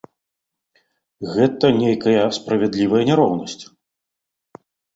Гэта нейкая справядлівая няроўнасць.